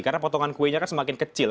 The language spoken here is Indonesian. karena potongan kuenya kan semakin kecil